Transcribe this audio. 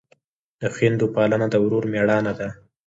د خویندو پالنه د ورور مړانه ده.